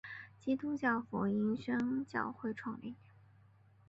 基督教福音宣教会创立。